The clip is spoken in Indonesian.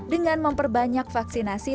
dengan memperbanyak vaksinasi